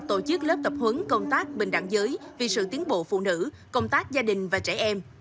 tổ chức lớp tập huấn công tác bình đẳng giới vì sự tiến bộ phụ nữ công tác gia đình và trẻ em